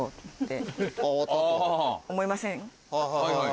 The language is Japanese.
はいはい。